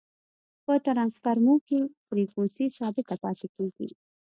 په ټرانسفرمر کی فریکوینسي ثابته پاتي کیږي.